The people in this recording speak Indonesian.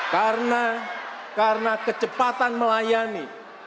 karena kecepatan melayani